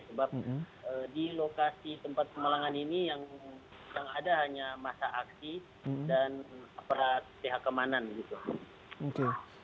sebab di lokasi tempat pemalangan ini yang ada hanya masa aksi dan aparat pihak keamanan gitu